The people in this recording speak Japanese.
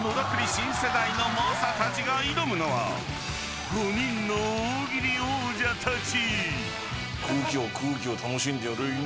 新世代の猛者たちが挑むのは５人の大喜利王者たち］